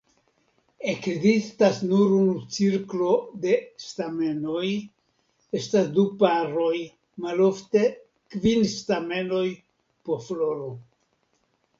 Ekzistas nur unu cirklo de stamenoj, estas du paroj, malofte kvin stamenoj po floro.